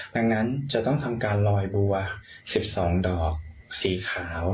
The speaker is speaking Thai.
ดังนั้นจะต้องทำการลอยบัว๑๒ดอกสีขาว